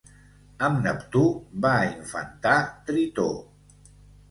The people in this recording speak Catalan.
Amb Neptú va infantar Tritó.